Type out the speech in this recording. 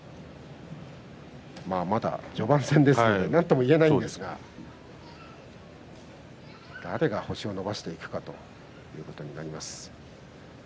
まだ序盤戦ですけれどもなんとも言えないですけれども誰が星を伸ばしていくかということになります。